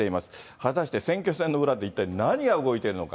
果たして選挙戦の裏で一体何が動いているのか。